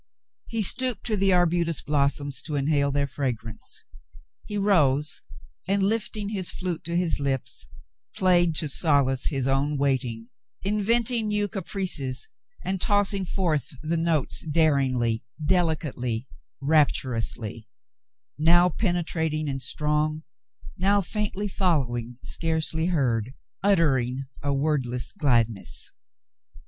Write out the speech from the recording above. He stooped to the arbutus blossoms to inhale their fragrance. He rose and, lifting his flute to his lips, played to solace his own waiting, in venting new caprices and tossing forth the notes daringly — delicately — rapturously — now penetrating and strong, now faintly following and scarcely heard, uttering a word less gladness.